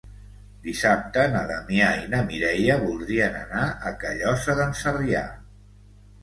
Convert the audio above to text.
Dissabte na Damià i na Mireia voldrien anar a Callosa d'en Sarrià.